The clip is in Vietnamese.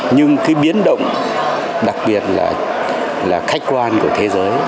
nhưng cái biến động đặc biệt là khách quan của thế giới